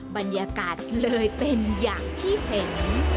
บรรยากาศเลยเป็นอย่างที่เห็น